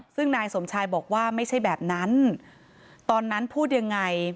ซึ่งนายสมชายบอกว่าไม่ใช่แบบนั้นตอนนั้นพูดยังไง